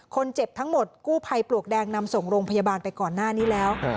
คนเจ็บทั้งหมดกู้ภัยปลวกแดงนำส่งโรงพยาบาลไปก่อนหน้านี้แล้ว